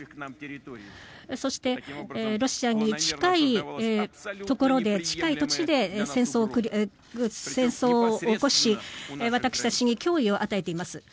そして、ロシアに近い土地で戦争を起こし、私たちに脅威を与えています。